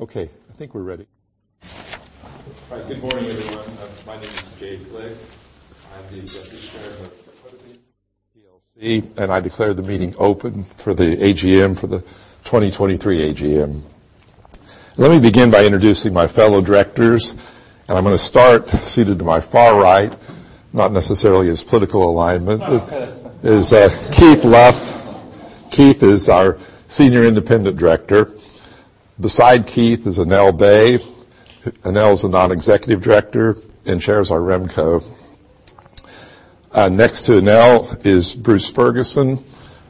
Okay, I think we're ready. All right, good morning, everyone. My name is Jay Glick. I'm the Deputy Chair of the Board of Directors of Hunting plc, and I declare the meeting open for the AGM, for the 2023 AGM. Let me begin by introducing my fellow directors, and I'm going to start seated to my far right, not necessarily his political alignment. Is Keith Lough. Keith is our Senior Independent Director. Beside Keith is Anell Bay. Annell is a Non-Executive Director and Chairs our RemCo. Next to Annell is Bruce Ferguson.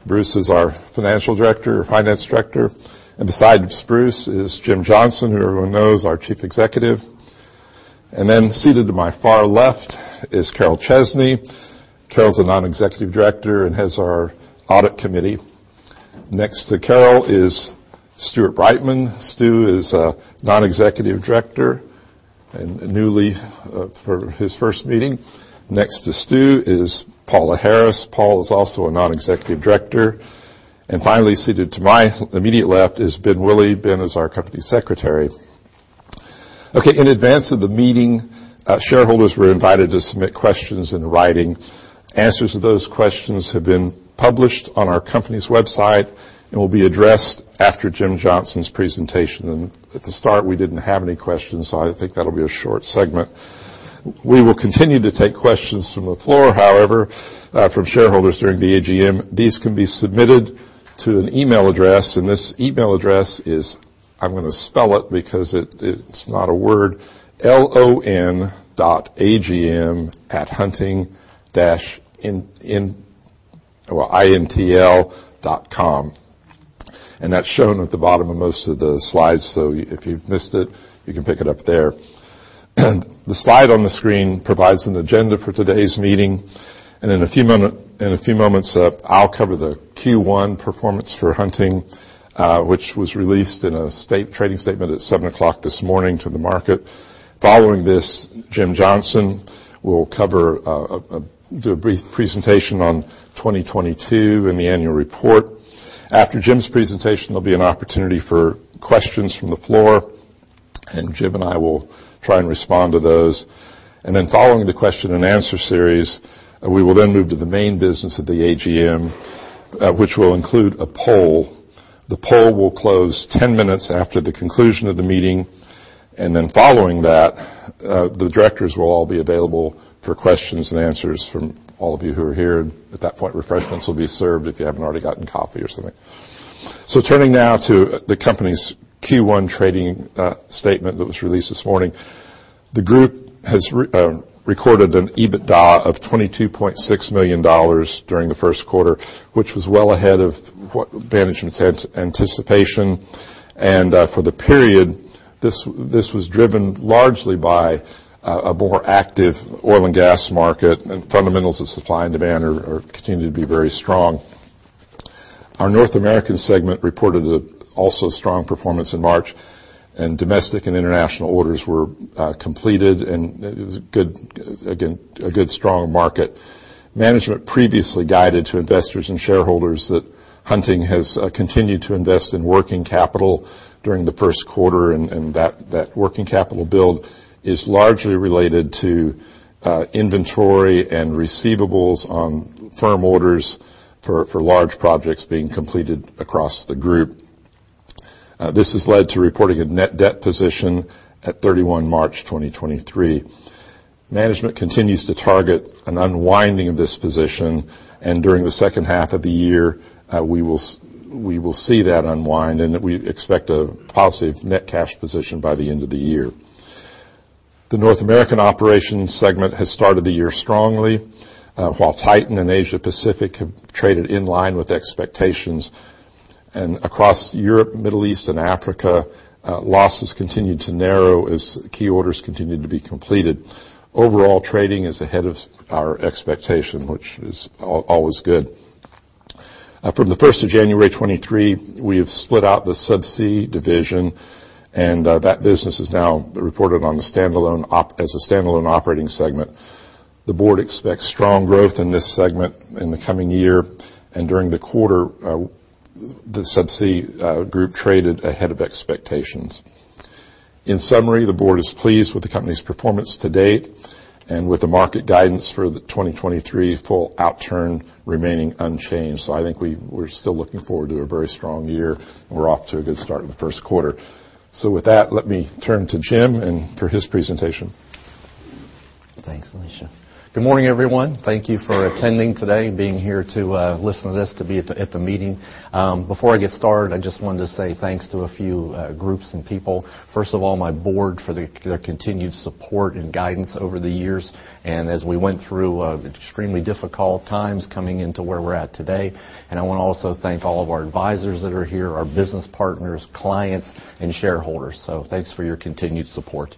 Bruce is our Financial Director or Finance Director. And beside Bruce is Jim Johnson, who everyone knows, our Chief Executive. Then seated to my far left is Carol Chesney. Carol is a Non-Executive Director and heads our Audit Committee. Next to Carol is Stuart Brightman. Stu is a Non-Executive Director and newly for his first meeting. Next to Stu is Paula Harris. Paula is also a Non-Executive Director. Finally, seated to my immediate left is Ben Wileman. Ben is our Company Secretary. Okay, in advance of the meeting, shareholders were invited to submit questions in writing. Answers to those questions have been published on our company's website and will be addressed after Jim Johnson's presentation. At the start, we didn't have any questions, so I think that'll be a short segment. We will continue to take questions from the floor, however, from shareholders during the AGM. These can be submitted to an email address, and this email address is... I'm going to spell it because it's not a word, l-o-n.agm@hunting-intl.com. That's shown at the bottom of most of the slides. If you've missed it, you can pick it up there. The slide on the screen provides an agenda for today's meeting. In a few moments, I'll cover the Q1 performance for Hunting, which was released in a trading statement at 7:00 A.M. this morning to the market. Following this, Jim Johnson will cover the brief presentation on 2022 and the annual report. After Jim's presentation, there'll be an opportunity for questions from the floor, and Jim and I will try and respond to those. Following the question and answer series, we will then move to the main business of the AGM, which will include a poll. The poll will close 10 minutes after the conclusion of the meeting. Following that, the directors will all be available for questions and answers from all of you who are here. At that point, refreshments will be served if you haven't already gotten coffee or something. Turning now to the company's Q1 trading statement that was released this morning. The group has recorded an EBITDA of $22.6 million during the first quarter, which was well ahead of what management's anticipation. For the period, this was driven largely by a more active oil and gas market. Fundamentals of supply and demand are continuing to be very strong. Our North American segment reported a also strong performance in March, domestic and international orders were completed. It was good, again, a good strong market. Management previously guided to investors and shareholders that Hunting has continued to invest in working capital during the first quarter, and that working capital build is largely related to inventory and receivables on firm orders for large projects being completed across the group. This has led to reporting a net debt position at 31 March 2023. Management continues to target an unwinding of this position, during the second half of the year, we will see that unwind, we expect a positive net cash position by the end of the year. The North American operations segment has started the year strongly, while Titan and Asia-Pacific have traded in line with expectations. Across Europe, Middle East, and Africa, losses continued to narrow as key orders continued to be completed. Overall, trading is ahead of our expectation, which is always good. From the first of January 2023, we have split out the Subsea Technologies, and that business is now reported as a standalone operating segment. The board expects strong growth in this segment in the coming year. During the quarter, the Subsea group traded ahead of expectations. In summary, the board is pleased with the company's performance to date and with the market guidance for the 2023 full outturn remaining unchanged. I think we're still looking forward to a very strong year. We're off to a good start in the first quarter. With that, let me turn to Jim Johnson and for his presentation. Thanks, Jay. Good morning, everyone. Thank you for attending today, being here to listen to this, to be at the meeting. Before I get started, I just wanted to say thanks to a few groups and people. First of all, my board for their continued support and guidance over the years, as we went through extremely difficult times coming into where we're at today. I want to also thank all of our advisors that are here, our business partners, clients, and shareholders. Thanks for your continued support.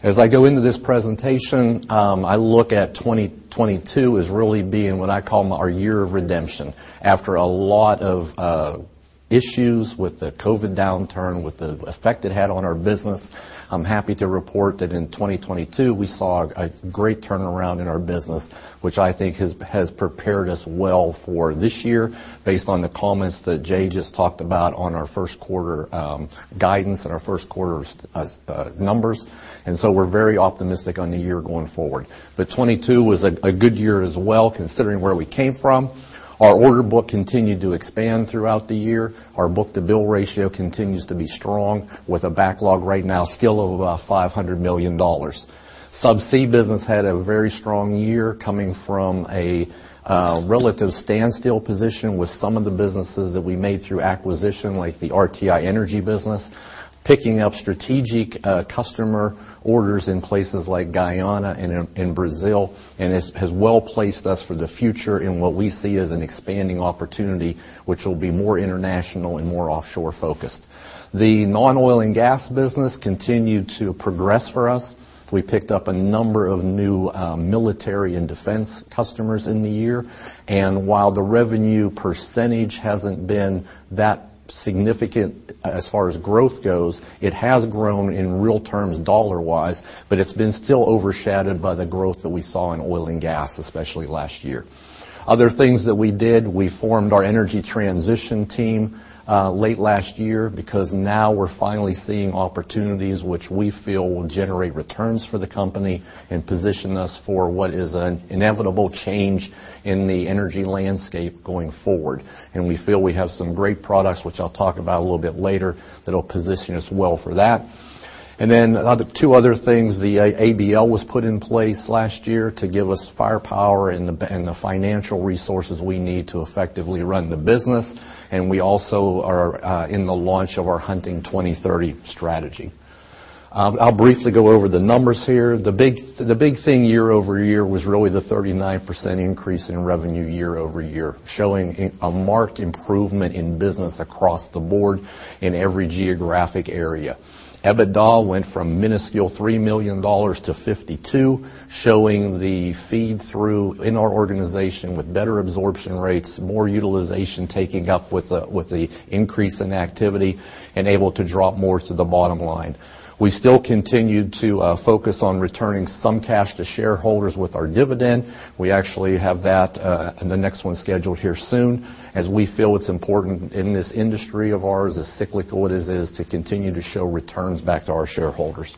As I go into this presentation, I look at 2022 as really being what I call our year of redemption after a lot of issues with the COVID downturn, with the effect it had on our business. I'm happy to report that in 2022 we saw a great turnaround in our business, which I think has prepared us well for this year based on the comments that Jay just talked about on our first quarter guidance and our first quarter numbers. We're very optimistic on the year going forward. 2022 was a good year as well, considering where we came from. Our order book continued to expand throughout the year. Our book-to-bill ratio continues to be strong with a backlog right now still of about $500 million. Subsea business had a very strong year coming from a relative standstill position with some of the businesses that we made through acquisition, like the RTI Energy Systems business, picking up strategic customer orders in places like Guyana and in Brazil. Has well-placed us for the future in what we see as an expanding opportunity, which will be more international and more offshore-focused. The non-oil and gas business continued to progress for us. We picked up a number of new military and defense customers in the year, and while the revenue percentage hasn't been that significant as far as growth goes, it has grown in real terms dollar-wise, but it's been still overshadowed by the growth that we saw in oil and gas, especially last year. Other things that we did, we formed our Energy Transition Team late last year because now we're finally seeing opportunities which we feel will generate returns for the company and position us for what is an inevitable change in the energy landscape going forward. We feel we have some great products, which I'll talk about a little bit later, that'll position us well for that. Two other things. The ABL was put in place last year to give us firepower and the financial resources we need to effectively run the business. We also are in the launch of our Hunting 2030 strategy. I'll briefly go over the numbers here. The big thing year-over-year was really the 39% increase in revenue year-over-year, showing a marked improvement in business across the board in every geographic area. EBITDA went from minuscule $3 million-$52 million, showing the feed-through in our organization with better absorption rates, more utilization taking up with the increase in activity and able to drop more to the bottom line. We still continued to focus on returning some cash to shareholders with our dividend. We actually have that, and the next one scheduled here soon, as we feel it's important in this industry of ours, as cyclical as it is, to continue to show returns back to our shareholders.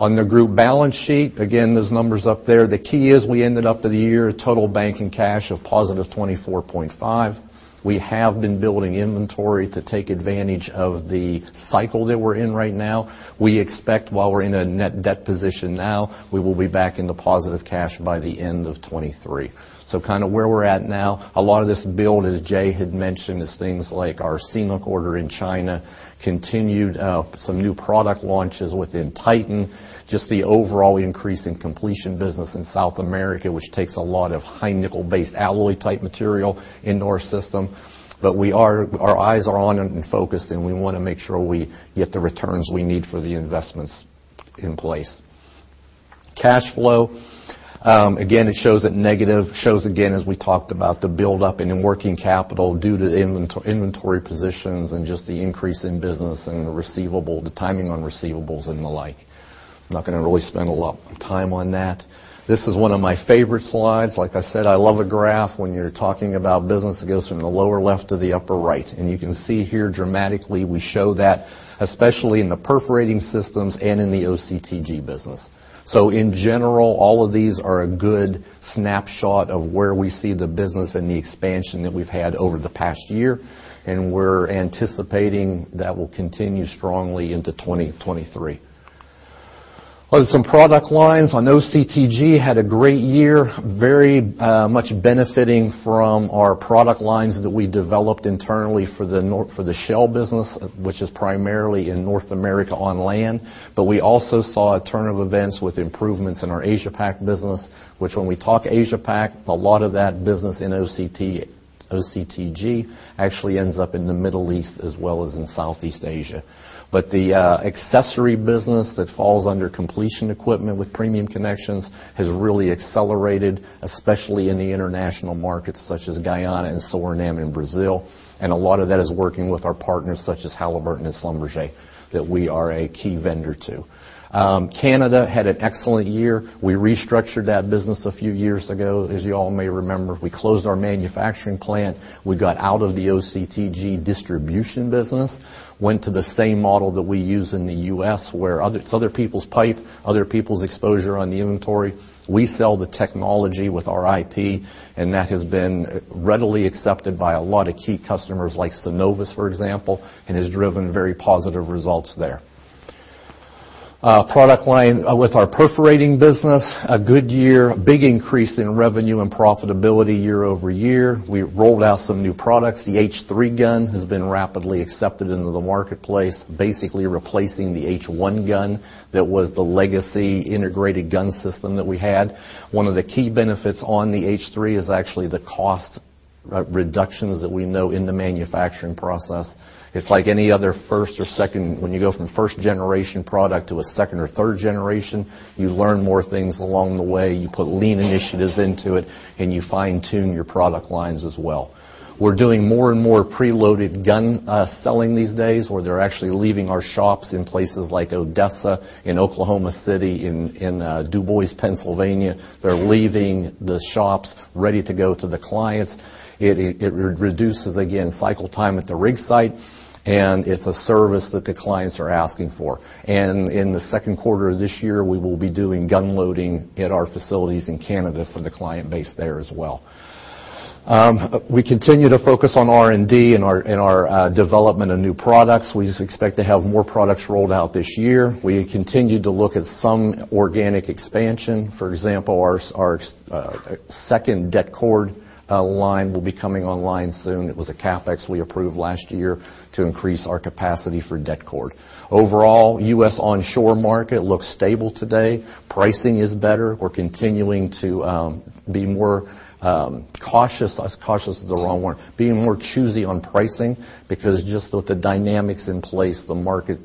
On the group balance sheet, again, those numbers up there. The key is we ended up the year a total bank and cash of positive 24.5. We have been building inventory to take advantage of the cycle that we're in right now. We expect while we're in a net debt position now, we will be back in the positive cash by the end of 2023. Kind of where we're at now, a lot of this build, as Jay had mentioned, is things like our SEAL-LOCK order in China continued, some new product launches within Titan, just the overall increase in completion business in South America, which takes a lot of high nickel-based alloy-type material into our system. Our eyes are on it and focused, and we want to make sure we get the returns we need for the investments in place. Cash flow. Again, it shows that negative. Shows again, as we talked about, the buildup in and working capital due to inventory positions and just the increase in business and the receivable, the timing on receivables and the like. I'm not going to really spend a lot of time on that. This is one of my favorite slides. Like I said, I love a graph. When you're talking about business, it goes from the lower left to the upper right. You can see here dramatically we show that, especially in the Perforating Systems and in the OCTG business. In general, all of these are a good snapshot of where we see the business and the expansion that we've had over the past year, and we're anticipating that will continue strongly into 2023. On some product lines. On OCTG, had a great year. Very much benefiting from our product lines that we developed internally for the shale business, which is primarily in North America on land. We also saw a turn of events with improvements in our Asia-Pac business, which when we talk Asia-Pac, a lot of that business in OCTG actually ends up in the Middle East as well as in Southeast Asia. The accessory business that falls under completion equipment with Premium Connections has really accelerated, especially in the international markets such as Guyana and Suriname and Brazil. A lot of that is working with our partners such as Halliburton and Schlumberger, that we are a key vendor to. Canada had an excellent year. We restructured that business a few years ago. As you all may remember, we closed our manufacturing plant. We got out of the OCTG distribution business. Went to the same model that we use in the U.S., where it's other people's pipe, other people's exposure on the inventory. We sell the technology with our IP, and that has been readily accepted by a lot of key customers, like Cenovus, for example, and has driven very positive results there. Product line. With our perforating business, a good year. A big increase in revenue and profitability year-over-year. We rolled out some new products. The H3 gun has been rapidly accepted into the marketplace, basically replacing the H1 gun that was the legacy integrated gun system that we had. One of the key benefits on the H3 is actually the cost reductions that we know in the manufacturing process. It's like any other first or second. When you go from first generation product to a second or third generation, you learn more things along the way. You put lean initiatives into it and you fine-tune your product lines as well. We're doing more and more preloaded gun selling these days, where they're actually leaving our shops in places like Odessa, in Oklahoma City, in DuBois, Pennsylvania. They're leaving the shops ready to go to the clients. It reduces, again, cycle time at the rig site. It's a service that the clients are asking for. In the second quarter of this year, we will be doing gun loading at our facilities in Canada for the client base there as well. We continue to focus on R&D and our development of new products. We just expect to have more products rolled out this year. We continue to look at some organic expansion. For example, our second det cord line will be coming online soon. It was a CapEx we approved last year to increase our capacity for det cord. Overall, U.S. onshore market looks stable today. Pricing is better. We're continuing to be more cautious. Cautious is the wrong word. Being more choosy on pricing because just with the dynamics in place, the market,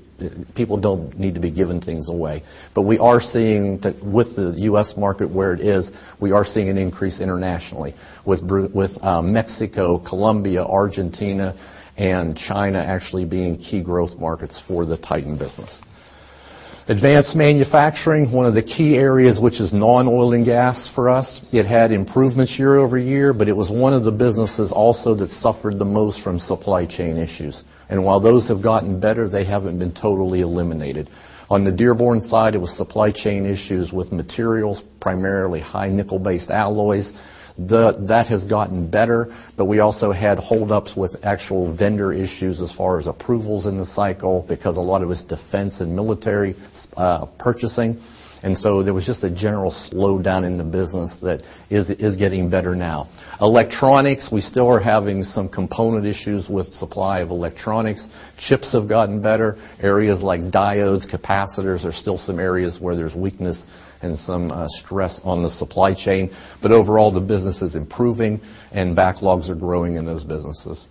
people don't need to be given things away. We are seeing that with the U.S. market where it is, we are seeing an increase internationally with Mexico, Colombia, Argentina, and China actually being key growth markets for the Titan business. advanced manufacturing, one of the key areas which is non-oil and gas for us. It had improvements year-over-year, but it was one of the businesses also that suffered the most from supply chain issues. While those have gotten better, they haven't been totally eliminated. On the Dearborn side, it was supply chain issues with materials, primarily high nickel-based alloys. That has gotten better, but we also had hold ups with actual vendor issues as far as approvals in the cycle because a lot of it was defense and military purchasing. There was just a general slowdown in the business that is getting better now. Electronics, we still are having some component issues with supply of electronics. Chips have gotten better. Areas like diodes, capacitors are still some areas where there's weakness and some stress on the supply chain. Overall, the business is improving and backlogs are growing in those businesses.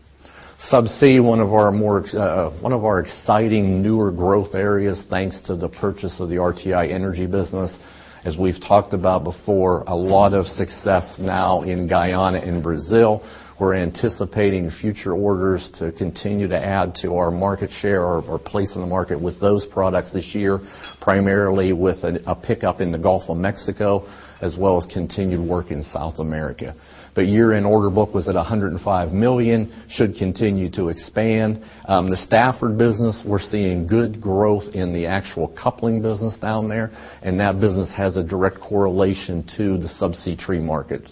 Subsea, one of our exciting newer growth areas, thanks to the purchase of the RTI Energy Systems. As we've talked about before, a lot of success now in Guyana and Brazil. We're anticipating future orders to continue to add to our market share or place in the market with those products this year, primarily with a pickup in the Gulf of Mexico, as well as continued work in South America. The year-end order book was at 105 million. Should continue to expand. The Stafford business, we're seeing good growth in the actual coupling business down there, and that business has a direct correlation to the subsea tree market.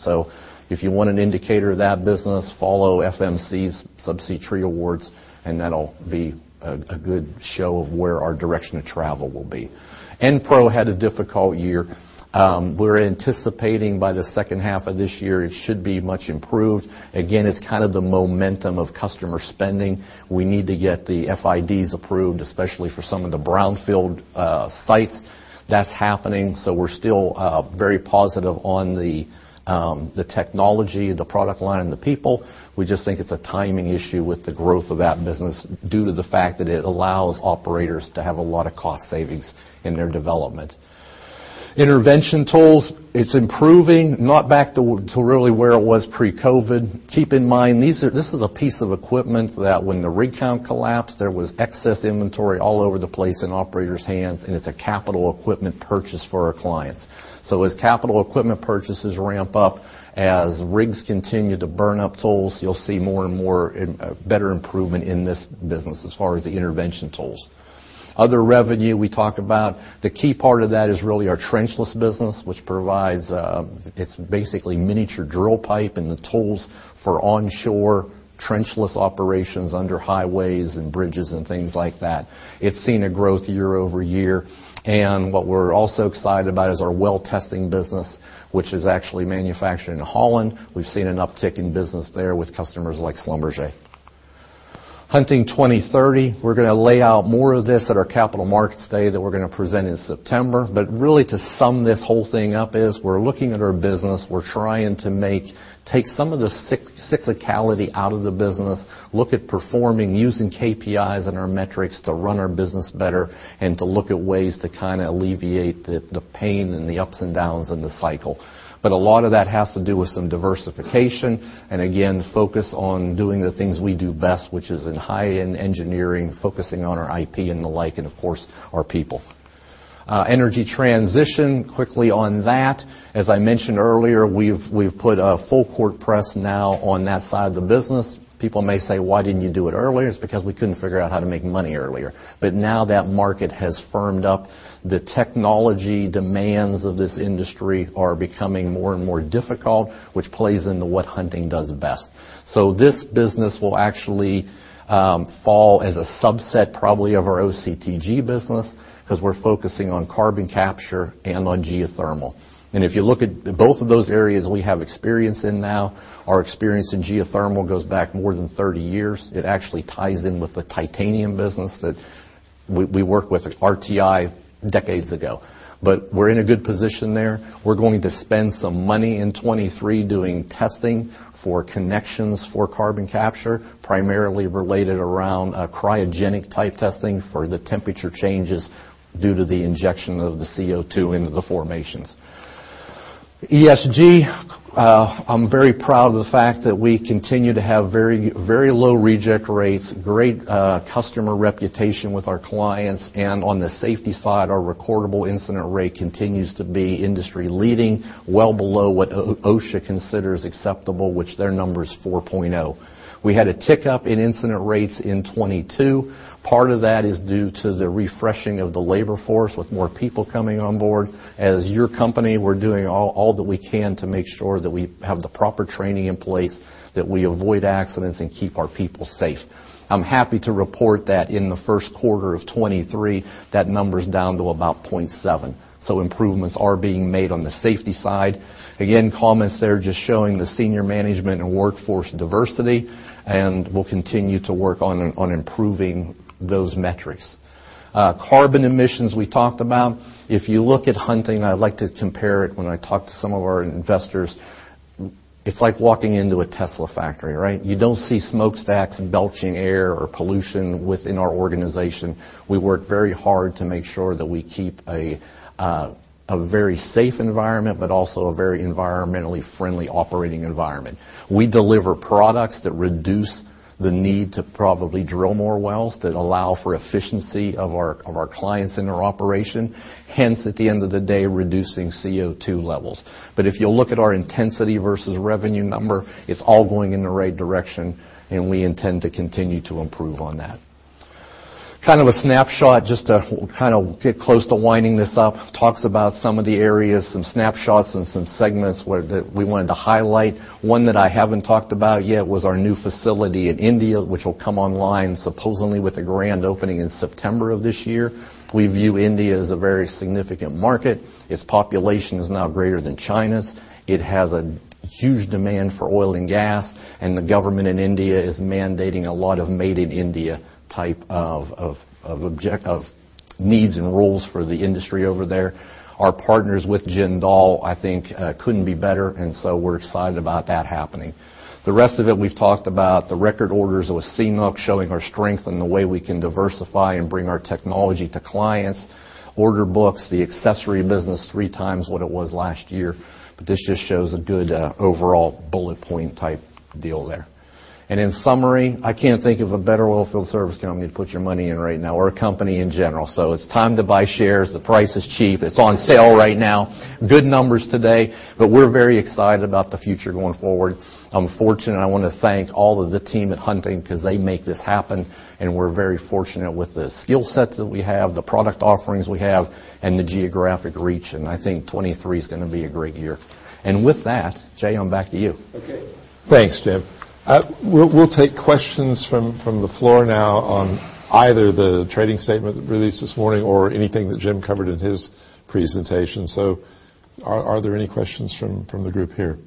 If you want an indicator of that business, follow FMC Technologies subsea tree awards, and that'll be a good show of where our direction of travel will be. Enpro had a difficult year. We're anticipating by the second half of this year, it should be much improved. Again, it's kind of the momentum of customer spending. We need to get the FIDs approved, especially for some of the brownfield sites. That's happening, we're still very positive on the technology, the product line, and the people. We just think it's a timing issue with the growth of that business due to the fact that it allows operators to have a lot of cost savings in their development. Intervention Tools, it's improving, not back to really where it was pre-COVID. Keep in mind, this is a piece of equipment that when the rig count collapsed, there was excess inventory all over the place in operators' hands, and it's a capital equipment purchase for our clients. As capital equipment purchases ramp up, as rigs continue to burn up tools, you'll see more and more, and better improvement in this business as far as the Intervention Tools. Other revenue we talked about, the key part of that is really our trenchless business, which provides, it's basically miniature drill pipe and the tools for onshore trenchless operations under highways and bridges and things lik e that. It's seen a growth year-over-year. What we're also excited about is our well testing business, which is actually manufactured in Holland. We've seen an uptick in business there with customers like Schlumberger. Hunting 2030. We're going to lay out more of this at our Capital Markets Day that we're going to present in September. Really to sum this whole thing up is we're looking at our business. We're trying to take some of the cyclicality out of the business, look at performing using KPIs and our metrics to run our business better, and to look at ways to kind of alleviate the pain and the ups and downs in the cycle. A lot of that has to do with some diversification, and again, focus on doing the things we do best, which is in high-end engineering, focusing on our IP and the like, and of course, our people. Energy transition, quickly on that. As I mentioned earlier, we've put a full court press now on that side of the business. People may say, "Why didn't you do it earlier?" It's because we couldn't figure out how to make money earlier. Now that market has firmed up. The technology demands of this industry are becoming more and more difficult, which plays into what Hunting does best. This business will actually fall as a subset probably of our OCTG business because we're focusing on carbon capture and on geothermal. If you look at both of those areas we have experience in now, our experience in geothermal goes back more than 30 years. It actually ties in with the titanium business that we worked with RTI decades ago. We're in a good position there. We're going to spend some money in 2023 doing testing for connections for carbon capture, primarily related around cryogenic type testing for the temperature changes due to the injection of the CO2 into the formations. ESG, I'm very proud of the fact that we continue to have very, very low reject rates, great customer reputation with our clients. On the safety side, our recordable incident rate continues to be industry-leaing, well below what OSHA considers acceptable, which their number is 4.0. We had a tick up in incident rates in 2022. Part of that is due to the refreshing of the labor force with more people coming on board. As your company, we're doing all that we can to make sure that we have the proper training in place, that we avoid accidents and keep our people safe. I'm happy to report that in the first quarter of 2023, that number's down to about 0.7. Improvements are being made on the safety side. Again, comments there just showing the senior management and workforce diversity, and we'll continue to work on improving those metrics. Carbon emissions we talked about. If you look at Hunting, I like to compare it when I talk to some of our investors, it's like walking into a Tesla factory, right? You don't see smokestacks belching air or pollution within our organization. We work very hard to make sure that we keep a very safe environment, but also a very environmentally friendly operating environment. We deliver products that reduce the need to probably drill more wells that allow for efficiency of our clients in our operation. Hence, at the end of the day, reducing CO2 levels. If you look at our intensity versus revenue number, it's all going in the right direction, and we intend to continue to improve on that. Kind of a snapshot just to kind of get close to winding this up. Talks about some of the areas, some snapshots and some segments where we wanted to highlight. One that I haven't talked about yet was our new facility in India, which will come online supposedly with a grand opening in September of this year. We view India as a very significant market. Its population is now greater than China's. It has a huge demand for oil and gas. The government in India is mandating a lot of made in India type of needs and rules for the industry over there. Our partners with Jindal SAW, I think, couldn't be better, and so we're excited about that happening. The rest of it, we've talked about the record orders with CNOOC showing our strength and the way we can diversify and bring our technology to clients. Order books, the accessory business, three times what it was last year. This just shows a good overall bullet point type deal there. In summary, I can't think of a better oilfield service company to put your money in right now or a company in general. It's time to buy shares. The price is cheap. It's on sale right now. Good numbers today. We're very excited about the future going forward. I'm fortunate. I want to thank all of the team at Hunting because they make this happen, and we're very fortunate with the skill sets that we have, the product offerings we have, and the geographic reach. I think 2023 is going to be a great year. With that, Jay, I'm back to you. Okay. Thanks, Jim. We'll take questions from the floor now on either the trading statement released this morning or anything that Jim covered in his presentation. Are there any questions from the group here?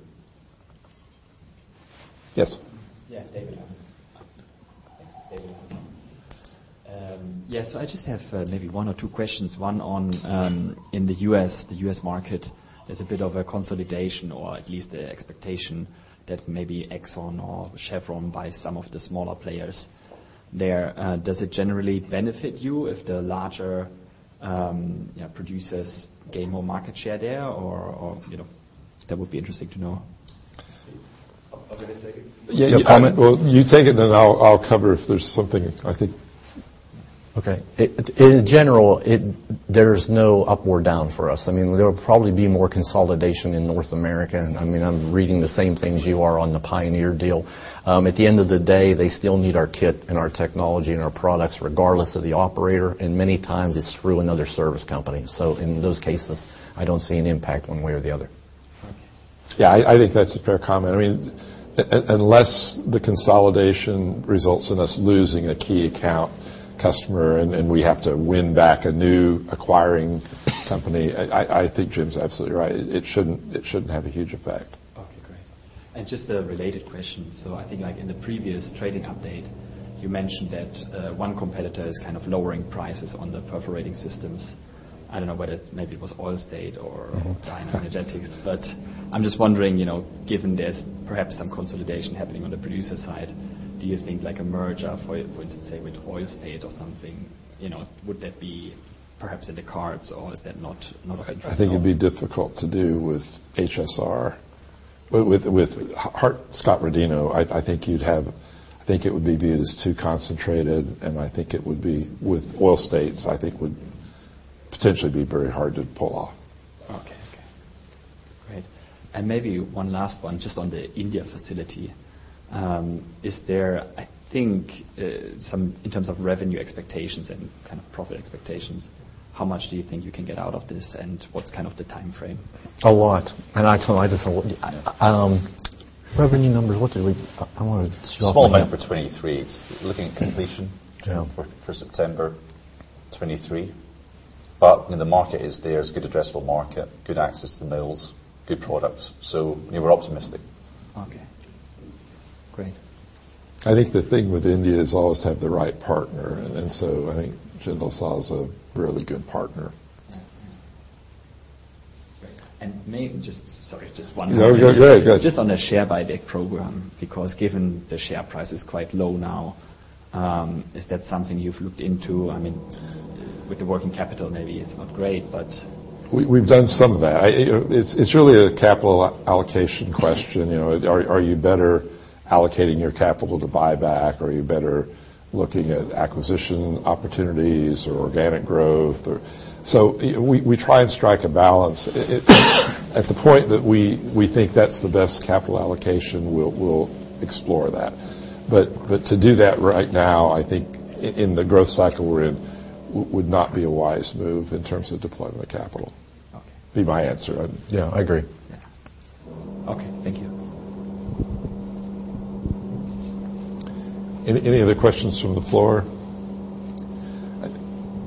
Yes. Yeah. David. Thanks. David. Yeah. I just have maybe one or two questions. One on, in the U.S., the U.S. market, there's a bit of a consolidation or at least the expectation that maybe Exxon or Chevron buy some of the smaller players there. Does it generally benefit you if the larger, you know, producers gain more market share there or, you know, that would be interesting to know? I'm going to take it. Yeah. You take it, and I'll cover if there's something I think... Okay. In general, there's no up or down for us. I mean, there'll probably be more consolidation in North America. I mean, I'm reading the same thing as you are on the Pioneer deal. At the end of the day, they still need our kit and our technology and our products regardless of the operator, and many times it's through another service company. In those cases, I don't see any impact one way or the other. Yeah. I think that's a fair comment. I mean, unless the consolidation results in us losing a key account customer and we have to win back a new acquiring company, I think Jim's absolutely right. It shouldn't have a huge effect. Okay, great. Just a related question. I think like in the previous trading update, you mentioned that, one competitor is kind of lowering prices on the Perforating Systems. I don't know whether maybe it was Oil States? Mm-hmm. DynaEnergetics. I'm just wondering, you know, given there's perhaps some consolidation happening on the producer side, do you think like a merger for instance, say, with Oil States or something, you know, would that be perhaps in the cards or is that not a thing at all? I think it'd be difficult to do with HSR. With Hart-Scott-Rodino, I think it would be viewed as too concentrated, and I think it would be with Oil States, I think would potentially be very hard to pull off. Okay. Great. Maybe one last one just on the India facility. Is there, I think, some in terms of revenue expectations and kind of profit expectations, how much do you think you can get out of this, and what's kind of the timeframe? A lot. Actually, revenue numbers. Small number 2023. It's looking at completion- Yeah. for September 2023. You know, the market is there. It's a good addressable market, good access to mills, good products. We're optimistic. Okay.Great. I think the thing with India is always to have the right partner, and so I think Jindal SAW is a really good partner. Yeah. Great. Sorry, just one more. No, go ahead. Go ahead. Just on the share buyback program, because given the share price is quite low now, is that something you've looked into? I mean, with the working capital, maybe it's not great. We've done some of that. I... It's really a capital allocation question. You know, are you better allocating your capital to buyback? Are you better looking at acquisition opportunities or organic growth? Or... We try and strike a balance. At the point that we think that's the best capital allocation, we'll explore that. To do that right now, I think in the growth cycle we're in, would not be a wise move in terms of deployment of capital. Okay. Be my answer. Yeah, I agree. Yeah. Okay. Thank you. Any other questions from the floor?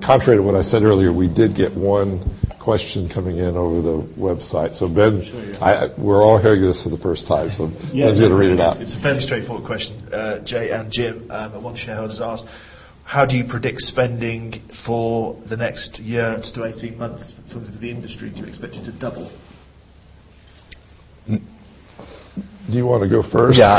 Contrary to what I said earlier, we did get one question coming in over the website. Ben, We're all hearing this for the first time, so-. Yeah. Ben's going to read it out. It's a fairly straightforward question. Jay and Jim, one shareholder has asked: How do you predict spending for the next year to 18 months for the industry? Do you expect it to double? Do you want to go first? Yeah.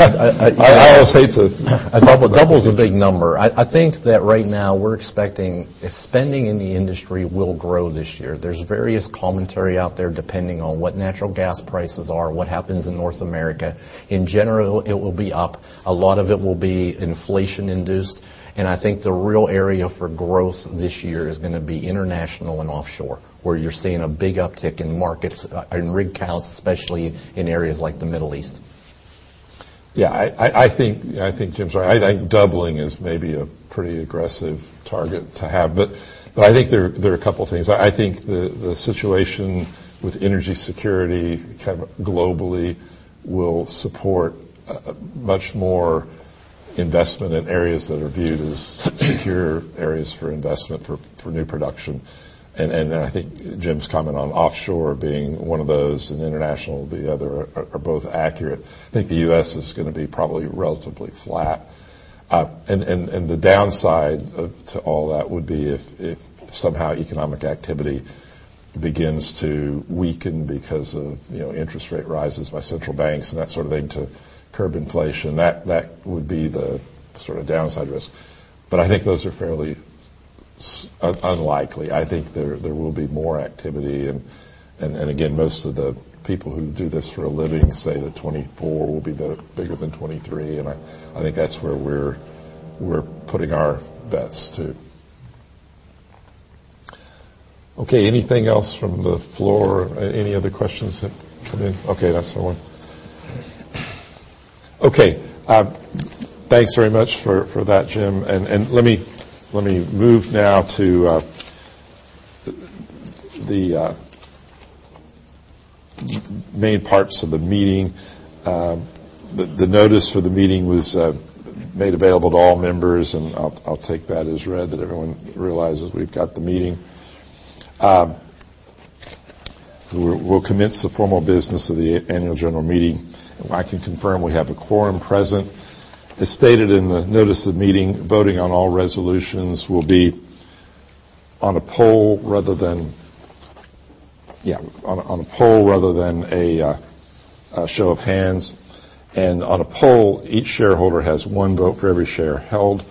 I always hate. I thought double's a big number. I think that right now we're expecting spending in the industry will grow this year. There's various commentary out there, depending on what natural gas prices are, what happens in North America. In general, it will be up. A lot of it will be inflation induced. I think the real area for growth this year is going to be international and offshore, where you're seeing a big uptick in markets, and rig counts, especially in areas like the Middle East. Yeah. I think Jim's right. I think doubling is maybe a pretty aggressive target to have. I think there are a couple things. I think the situation with energy security kind of globally will support much more investment in areas that are viewed as secure areas for investment for new production. I think Jim's comment on offshore being one of those and international the other are both accurate. I think the U.S. is going to be probably relatively flat. The downside to all that would be if somehow economic activity begins to weaken because of, you know, interest rate rises by central banks and that sort of thing to curb inflation. That would be the sort of downside risk. I think those are fairly unlikely. I think there will be more activity. Again, most of the people who do this for a living say that 2024 will be the bigger than 2023, and I think that's where we're putting our bets, too. Okay. Anything else from the floor? Any other questions that come in? Okay, that's the one. Okay. Thanks very much for that, Jim. Let me move now to the main parts of the meeting. The notice for the meeting was made available to all members, I'll take that as read that everyone realizes we've got the meeting. We'll commence the formal business of the Annual General Meeting. I can confirm we have a quorum present. As stated in the notice of meeting, voting on all resolutions will be on a poll rather than a poll rather than a show of hands. On a poll, each shareholder has one vote for every share held.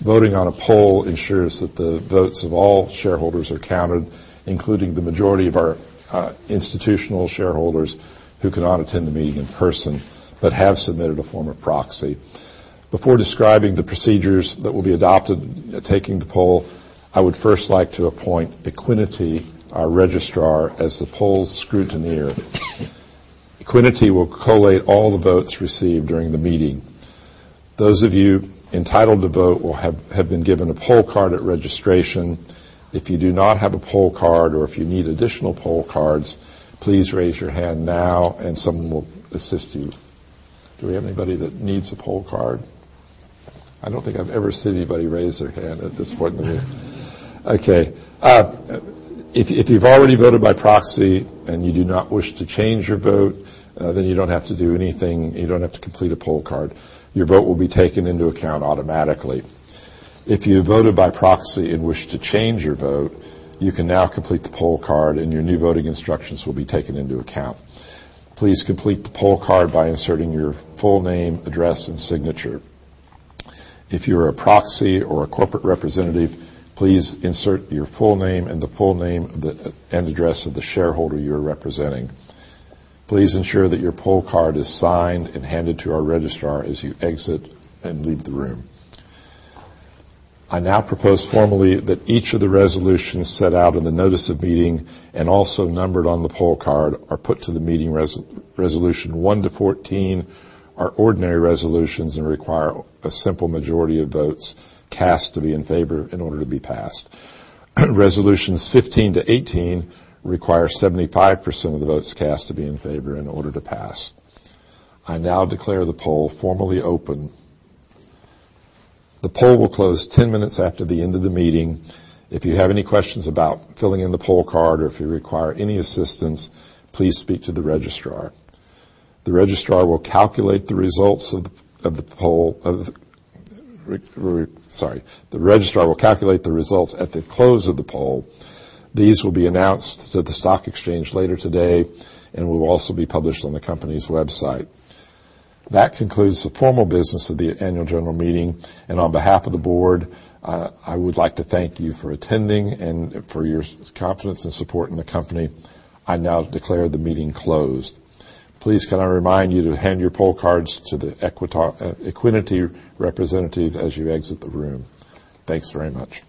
Voting on a poll ensures that the votes of all shareholders are counted, including the majority of our institutional shareholders who cannot attend the meeting in person but have submitted a form of proxy. Before describing the procedures that will be adopted taking the poll, I would first like to appoint Equiniti, our registrar, as the poll's scrutineer. Equiniti will collate all the votes received during the meeting. Those of you entitled to vote will have been given a poll card at registration. If you do not have a poll card or if you need additional poll cards, please raise your hand now and someone will assist you. Do we have anybody that needs a poll card? I don't think I've ever seen anybody raise their hand at this point in the meeting. Okay. If you've already voted by proxy and you do not wish to change your vote, then you don't have to do anything. You don't have to complete a poll card. Your vote will be taken into account automatically. If you voted by proxy and wish to change your vote, you can now complete the poll card and your new voting instructions will be taken into account. Please complete the poll card by inserting your full name, address, and signature. If you're a proxy or a corporate representative, please insert your full name and the full name and address of the shareholder you're representing. Please ensure that your poll card is signed and handed to our registrar as you exit and leave the room. I now propose formally that each of the resolutions set out in the notice of meeting and also numbered on the poll card are put to the meeting resolution one to 14 are ordinary resolutions and require a simple majority of votes cast to be in favor in order to be passed. Resolutions 15-18 require 75% of the votes cast to be in favor in order to pass. I now declare the poll formally open. The poll will close 10 minutes after the end of the meeting. If you have any questions about filling in the poll card or if you require any assistance, please speak to the registrar. The registrar will calculate the results of the poll. Sorry. The registrar will calculate the results at the close of the poll. These will be announced to the stock exchange later today and will also be published on the company's website. That concludes the formal business of the Annual General Meeting. On behalf of the board, I would like to thank you for attending and for your confidence and support in the company. I now declare the meeting closed. Please can I remind you to hand your poll cards to the Equiniti representative as you exit the room. Thanks very much.